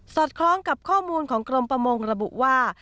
สอดคล้องกับข้อมูลของกรมประมงุฆว่า